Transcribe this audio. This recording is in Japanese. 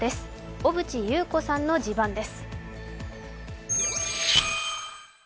小渕優子さんの地盤です。